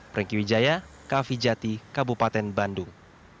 franky wijaya kavijati kabupaten bandung